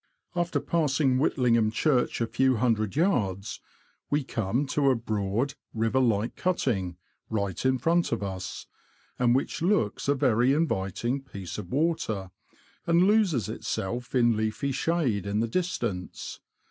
After passing Whitlingham Church a few hundred yards, we come to a broad, river like cutting, right in front of us, and which looks a very inviting piece of water, and loses itself in leafy shade in the dis tance.